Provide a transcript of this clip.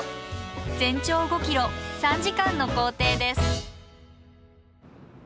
全長５ｋｍ３時間の行程です。